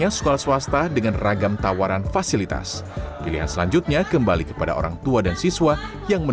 jadi justru sma swasta lebih banyak daripada sekolah negeri tetapi kesenjangannya juga tinggi